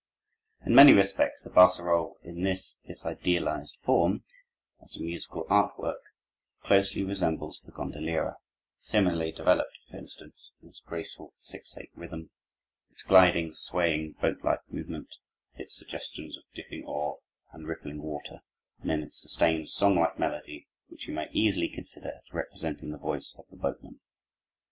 In many respects the barcarolle, in this its idealized form as a musical art work, closely resembles the gondoliera, similarly developed; for instance, in its graceful six eight rhythm, its gliding, swaying boat like movement, its suggestions of dipping oar and rippling water, and in its sustained song like melody which we may easily consider as representing the voice of the boatman.